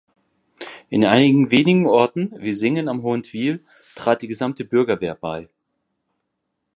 In einigen wenigen Orten wie Singen am Hohentwiel trat die gesamte Bürgerwehr bei.